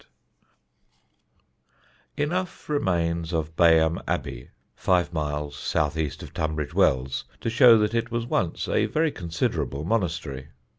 _] [Sidenote: BAYHAM ABBEY] Enough remains of Bayham Abbey, five miles south east of Tunbridge Wells, to show that it was once a very considerable monastery.